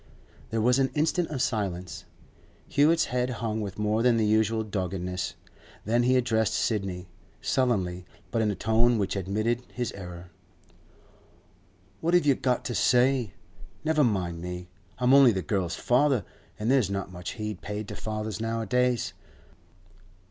There was an instant of silence. Hewett's head hung with more than the usual doggedness. Then he addressed Sidney, sullenly, but in a tone which admitted his error. 'What have you got to say? Never mind me. I'm only the girl's father, an' there's not much heed paid to fathers nowadays.